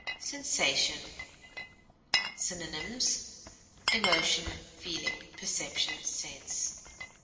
SENSATION. Synonyms: emotion, feeling, perception, sense.